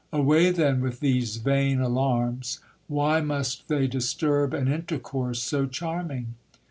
Away, then, with these vain alarms. Why must they disturb an intercourse so charming